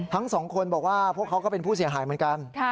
ทั้งสองคนบอกว่าพวกเขาก็เป็นผู้เสียหายเหมือนกัน